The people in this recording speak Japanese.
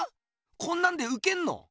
こんなんでウケんの？